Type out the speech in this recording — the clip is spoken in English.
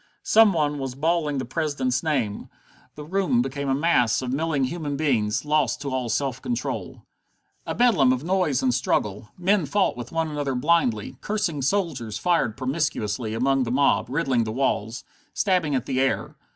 Some one was bawling the President's name. The rooms became a mass of milling human beings, lost to all self control. A bedlam of noise and struggle. Men fought with one another blindly, cursing soldiers fired promiscuously among the mob, riddling the walls, stabbing at the air.